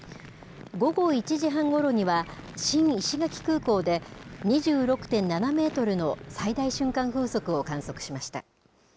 午後１時半ごろには、新石垣空港で２６．７メートルの最大瞬間風速を観測しました。